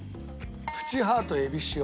プチハートえびしお。